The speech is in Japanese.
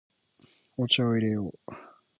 お茶を入れよう。